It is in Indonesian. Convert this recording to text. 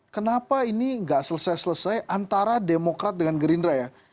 kenapa ini nggak selesai selesai antara demokrat dengan gerindra ya